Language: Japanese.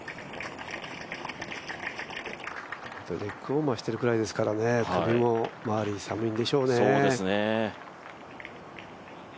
ネックウォーマーしているぐらいですから、首周り寒いんでしょうね。